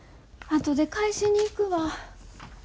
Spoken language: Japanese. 後で返しに行くわ。